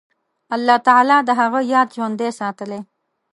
الله تعالی د هغه یاد ژوندی ساتلی.